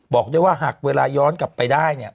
บอกได้ว่าหากเวลาย้อนกลับไปได้เนี่ย